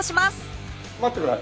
待ってください。